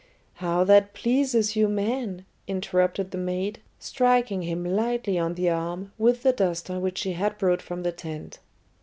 "How that pleases you men!" interrupted the maid, striking him lightly on the arm with the duster which she had brought from the tent.